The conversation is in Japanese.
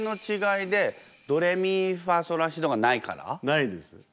ないです。